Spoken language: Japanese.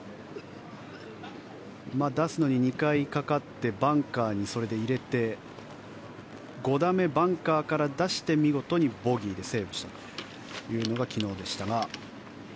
出すのに２回かかってバンカーにそれで入れて５打目、バンカーから出して見事にボギーでセーブしたというのが昨日でしたが。